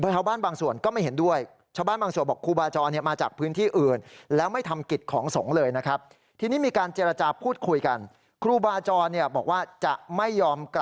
ชาวบ้านบางส่วนก็ไม่เห็นด้วย